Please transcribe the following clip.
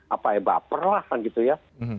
apa ebaper lah kan gitu ya